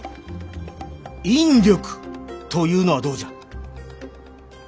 「引力」というのはどうじゃ。